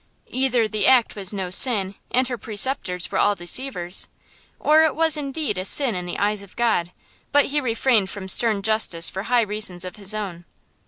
Either the act was no sin, and her preceptors were all deceivers; or it was indeed a sin in the eyes of God, but He refrained from stern justice for high reasons of His own.